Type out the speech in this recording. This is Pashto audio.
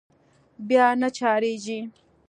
بيا نه چارجېږي.